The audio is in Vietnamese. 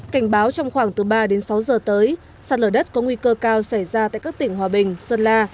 cảnh báo trong khoảng từ ba đến sáu giờ tới sạt lở đất có nguy cơ cao xảy ra tại các tỉnh hòa bình sơn la